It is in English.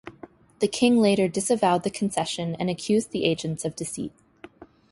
The king later disavowed the concession and accused the agents of deceit.